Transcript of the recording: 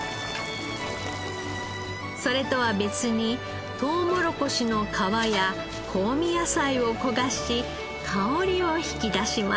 それとは別にトウモロコシの皮や香味野菜を焦がし香りを引き出します。